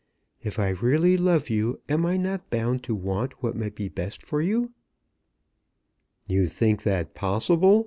If I really love you am I not bound to want what may be best for you?" "You think that possible?"